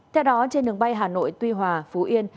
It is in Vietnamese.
theo đó trên đường bay hà nội tuy hòa phú yên